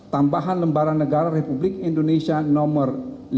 tambahan lembaran negara republik indonesia nomor lima ribu lima ratus delapan puluh tujuh